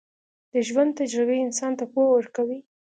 د ژوند تجربې انسان ته پوهه ورکوي.